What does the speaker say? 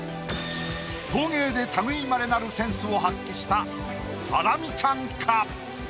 陶芸で類いまれなるセンスを発揮したハラミちゃんか？